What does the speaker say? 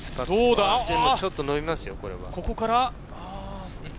ちょっと伸びますよ、これは。